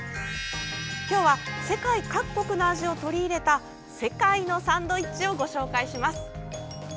今日は世界各国の味を取り入れた世界のサンドイッチをご紹介します。